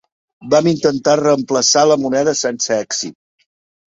Vam intentar reemplaçar la moneda sense èxit.